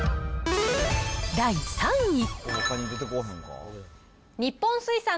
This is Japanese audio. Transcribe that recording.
第３位。